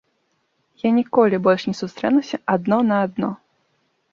Я ніколі больш не сустрэнуся адно на адно.